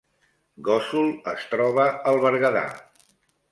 Gósol es troba al Berguedà